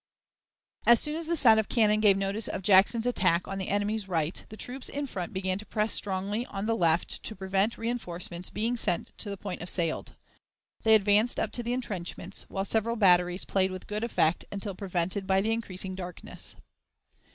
As soon as the sound of cannon gave notice of Jackson's attack on the enemy's right, the troops in front began to press strongly on the left to prevent reënforcements being sent to the point assailed. They advanced up to the intrenchments, while several batteries played with good effect until prevented by the increasing darkness.